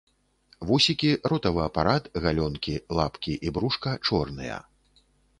Вусікі, ротавы апарат, галёнкі, лапкі і брушка чорныя.